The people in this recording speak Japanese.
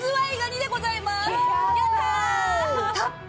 はい！